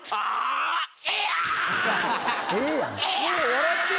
ええやん！